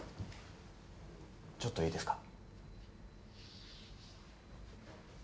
ちょっといいですか？